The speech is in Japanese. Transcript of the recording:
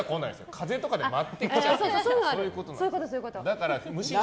風とかで舞ってきちゃう。